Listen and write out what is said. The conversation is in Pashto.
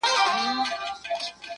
• زه یې وینم دوی لګیا دي په دامونو -